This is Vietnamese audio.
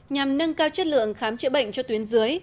nhằm nâng cao chất lượng khám chữa bệnh cho tuyến dưới